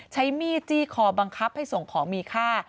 ใช้มีดจี้คอบังคับให้ส่งของมีค่า